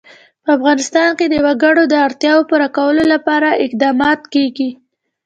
په افغانستان کې د وګړي د اړتیاوو پوره کولو لپاره اقدامات کېږي.